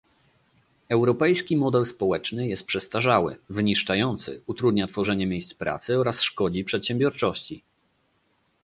Europejski model społeczny jest przestarzały, wyniszczający, utrudnia tworzenie miejsc pracy oraz szkodzi przedsiębiorczości